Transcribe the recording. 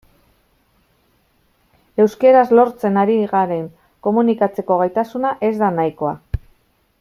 Euskaraz lortzen ari garen komunikatzeko gaitasuna ez da nahikoa.